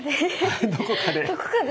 どこかで？